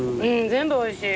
全部おいしい。